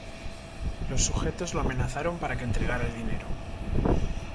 Los sujetos lo amenazaron para que entregara el dinero.